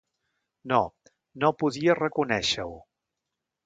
No, no podia reconéixer-ho.